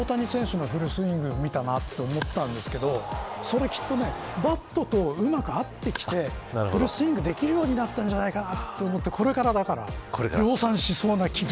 久しぶりに大谷選手のフルスイング見たなと思ったんですけどきっとバットとうまく合ってきてフルスイングができるようになったんじゃないかなと思って。